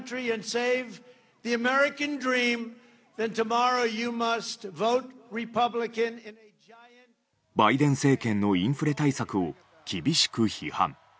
バイデン政権のインフレ対策を厳しく批判。